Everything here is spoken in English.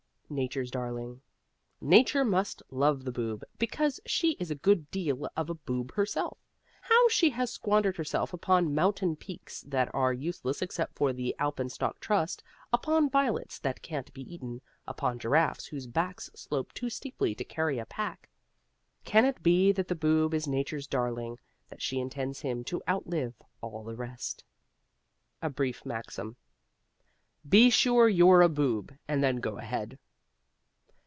NATURE'S DARLING Nature must love the Boob, because she is a good deal of a Boob herself. How she has squandered herself upon mountain peaks that are useless except for the Alpenstock Trust; upon violets that can't be eaten; upon giraffes whose backs slope too steeply to carry a pack! Can it be that the Boob is Nature's darling, that she intends him to outlive all the rest? A BRIEF MAXIM Be sure you're a Boob, and then go ahead.